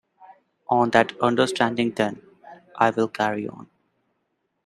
On that understanding then, I will carry on.